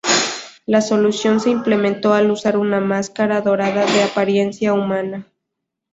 La solución se implementó al usar una máscara dorada de apariencia humana.